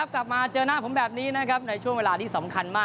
กลับมาเจอหน้าผมแบบนี้นะครับในช่วงเวลาที่สำคัญมาก